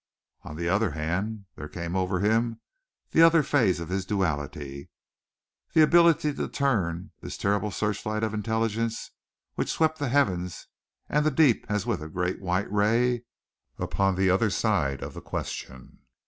On the other hand, there came over him that other phase of his duality the ability to turn his terrible searchlight of intelligence which swept the heavens and the deep as with a great white ray upon the other side of the question.